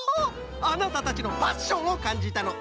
あなたたちのパッションをかんじたの。